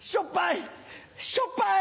しょっぱい！